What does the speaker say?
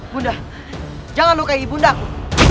bunda jangan lukai ibundaku